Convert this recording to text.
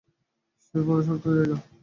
সে বড়ো শক্ত জায়গা।